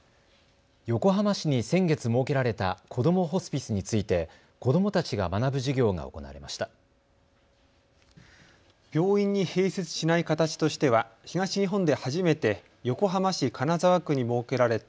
横浜市に先月設けられたこどもホスピスについて子どもたちが学ぶ授業が行われました。